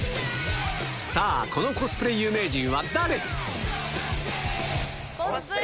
さあ、このコスプレ有名人はコスプレ